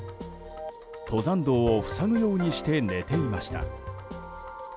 登山道を塞ぐようにして寝ていました。